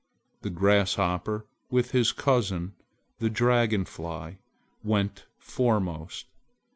The Grasshopper with his cousin, the Dragon Fly, went foremost.